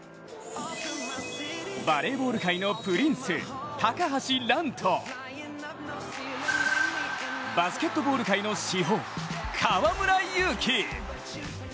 バレーボール界のプリンス・高橋藍とバスケットボール界の至宝・河村勇輝。